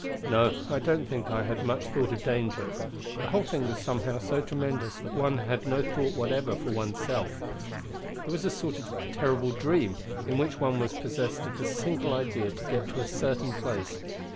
No, I don't think I had much thought of danger, the whole thing was somehow so tremendous that one had no thought whatever for one's self. It was a sort of terrible dream, in which one was possessed of the single idea to get to a certain place.